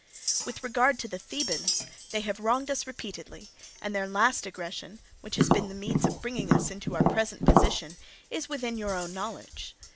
"With regard to the Thebans, they have wronged us repeatedly, and their last aggression, which has been the means of bringing us into our present position, is within your own knowledge.